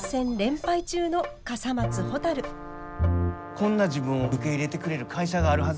こんな自分を受け入れてくれる会社があるはず